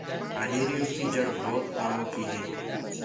آڏيري يو ڪي پآڙه ڀوت ڪآمو ڪيٚ هي۔